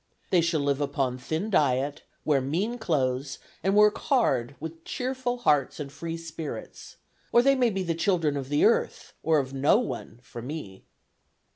They shall live upon thin diet, wear mean clothes, and work hard with cheerful hearts and free spirits, or they may be the children of the earth, or of no one, for me.